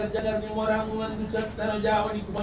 saya ingin menerima salam kepada anda